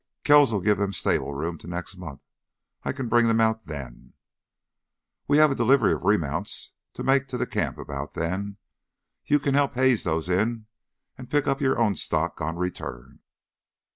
"Kells'll give them stable room till next month. I can bring them out then." "We'll have a delivery of remounts to make to the camp about then. You can help haze those in and pick up your own stock on return."